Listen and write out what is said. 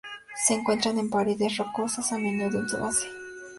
Se encuentra en paredes rocosas, a menudo en su base.